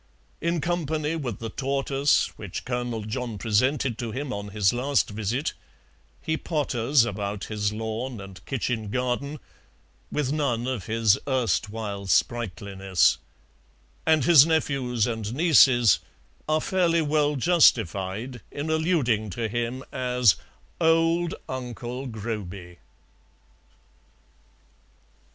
In company with the tortoise, which Colonel John presented to him on his last visit, he potters about his lawn and kitchen garden, with none of his erstwhile sprightliness; and his nephews and nieces are fairly well justified in alluding to him as "Old Uncle Groby."